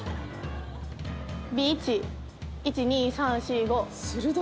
Ｂ１１２３４５